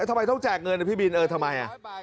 ทำไมต้องแจกเงินนะพี่บินเออทำไม